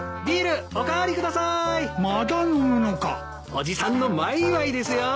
伯父さんの前祝いですよ。